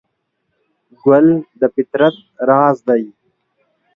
ګل د فطرت راز دی.